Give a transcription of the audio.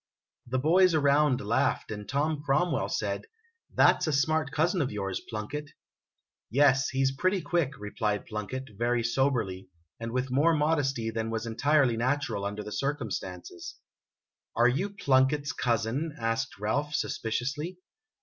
The boys around laughed, and Tom Cromwell said: "That 's a smart cousin of yours, Plunkett ! "Yes, he 's pretty quick," replied Plunkett, very soberly, and with more modesty than was entirely natural under the circum stances. " Are you Plunkett's cousin ?' asked Ralph, suspiciously.